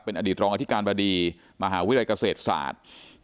เป็นอดีตรองอธิการบดีมหาวิรัยเกษตรศาสตร์